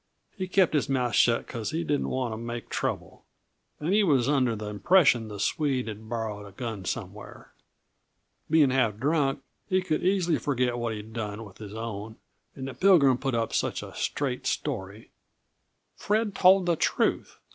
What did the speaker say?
He kept his mouth shut because he didn't want to make trouble, and he was under the impression the Swede had borrowed a gun somewhere. Being half drunk, he could easy forget what he'd done with his own, and the Pilgrim put up such a straight story " "Fred told the truth.